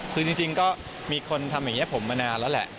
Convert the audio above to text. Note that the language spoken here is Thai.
คือจริงก็มีคนทำอย่างนี้ผมมานานแล้วแหละ